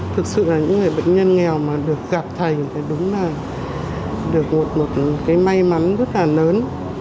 thực sự là những người bệnh nhân nghèo mà được gặp thành thì đúng là được một cái may mắn rất là lớn